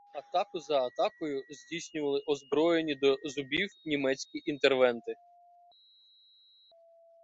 Атаку за атакою здійснювали озброєні до зубів німецькі інтервенти.